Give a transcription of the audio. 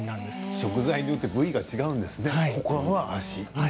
食材によって部位が違うんですね。